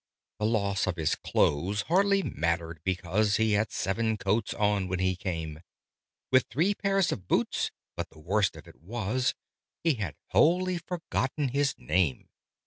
The loss of his clothes hardly mattered, because He had seven coats on when he came, With three pairs of boots but the worst of it was, He had wholly forgotten his name.